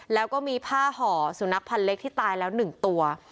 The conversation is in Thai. แล้วก็มีผ้าห่อสุนัขพันธ์เล็กที่ตายแล้ว๑ตัว